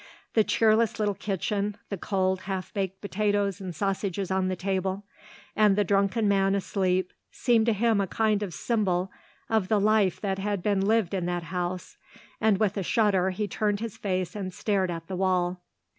The cheerless little kitchen, the cold, half baked potatoes and sausages on the table, and the drunken man asleep, seemed to him a kind of symbol of the life that had been lived in that house, and with a shudder he turned his face and stared at the wall.